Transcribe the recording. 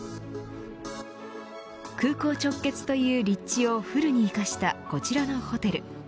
空港直結という立地をフルに生かしたこちらのホテル